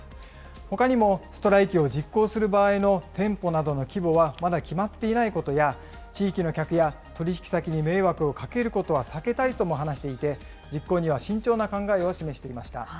ほかにもストライキを実行する場合の店舗などの規模はまだ決まっていないことや、地域の客や取り引き先に迷惑をかけることは避けたいとも話していて、実行には慎重な考えを示していました。